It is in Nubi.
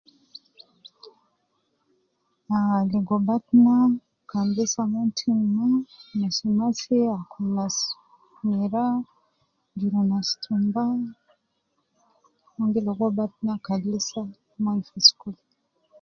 Aaah ligo batna Kan lisa umon tim ma masimasi akul mira jur tumba umon giligo batna kan umon lisa fi school